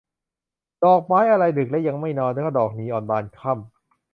ดอกไม้อะไรดึกแล้วยังไม่นอน ก็ดอกนีออนบานค่ำ